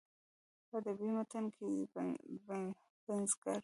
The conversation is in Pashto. په ادبي متن کې پنځګر